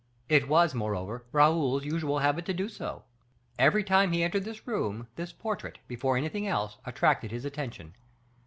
It was, moreover, Raoul's usual habit to do so; every time he entered his room, this portrait, before anything else, attracted his attention.